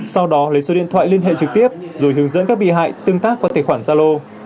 sau đó lấy số điện thoại liên hệ trực tiếp rồi hướng dẫn các bị hại tương tác qua tài khoản gia lô